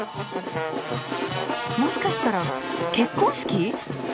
もしかしたら結婚式！？